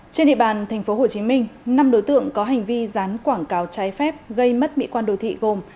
trên địa bàn tp hcm năm đối tượng có hành vi dán quảng cáo trái phép gây mất mỹ quan đồ thị gồm